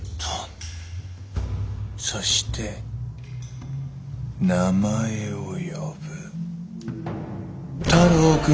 そして名前を呼ぶ太郎くん。